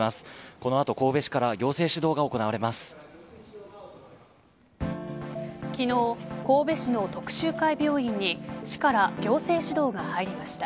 この後神戸市から行政指導が昨日、神戸市の徳洲会病院に市から行政指導が入りました。